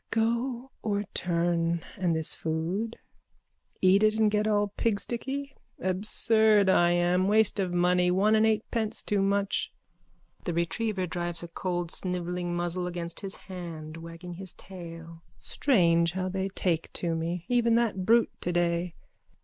Go or turn? And this food? Eat it and get all pigsticky. Absurd I am. Waste of money. One and eightpence too much. (The retriever drives a cold snivelling muzzle against his hand, wagging his tail.) Strange how they take to me. Even that brute today.